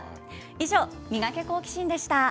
以上、ミガケ、好奇心！でした。